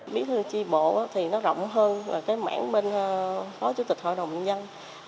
bí thư tri bộ thì nó rộng hơn là cái mảng bên phó chủ tịch hội đồng nhân